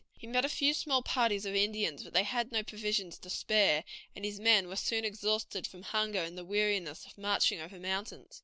He met a few small parties of Indians, but they had no provisions to spare, and his men were soon exhausted from hunger and the weariness of marching over mountains.